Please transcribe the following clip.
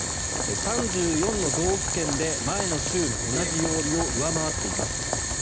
３４の道府県で前の週の同じ曜日を上回っています。